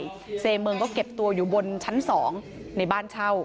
กลัวจะไม่ปลอดภัยเซเมิงก็เก็บตัวอยู่บนชั้น๒ในบ้านเช่า